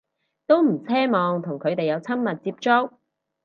都唔奢望同佢哋有密切接觸